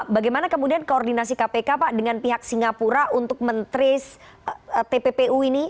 bagaimana kemudian koordinasi kpk pak dengan pihak singapura untuk men trace tppu ini